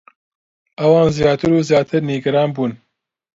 ئەوان زیاتر و زیاتر نیگەران بوون.